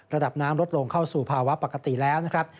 ระดับน้ำลดลงเข้าสู่ภาวะปกติแล้วนะครับ